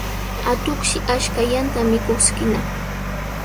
Atuqshi ashkallanta mikuskinaq.